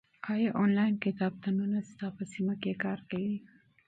ایا آنلاین کتابتونونه ستا په سیمه کې کار کوي؟